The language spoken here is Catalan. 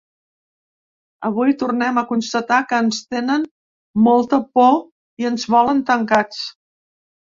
Avui tornem a constatar que ens tenen molta por i ens volen tancats.